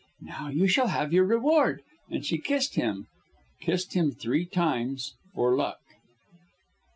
"Now you shall have your reward," and she kissed him kissed him three times for luck.